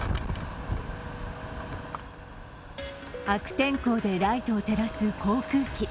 悪天候でライトを照らす航空機。